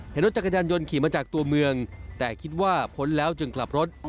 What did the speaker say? เห็นรถจักรยานยนต์ขี่มาจากตัวเมืองแต่คิดว่าพ้นแล้วจึงกลับรถ